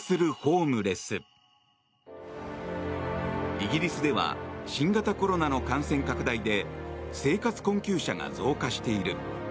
イギリスでは新型コロナの感染拡大で生活困窮者が増加している。